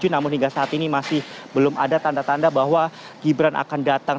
namun hingga saat ini masih belum ada tanda tanda bahwa gibran akan datang